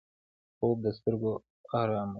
خوب د سترګو آراموي